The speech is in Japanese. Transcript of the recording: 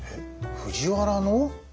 藤原の？